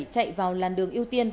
chạy vào làn đường ưu tiên